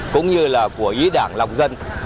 cũng như là của ý đảng lòng dân